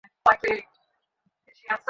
না, না, ওটা আঠা না।